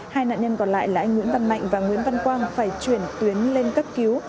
hai nạn nhân còn lại là anh nguyễn văn mạnh và nguyễn văn quang phải chuyển tuyến lên cấp cứu